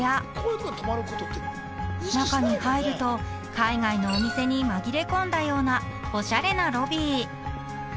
［中に入ると海外のお店に紛れ込んだようなおしゃれなロビー］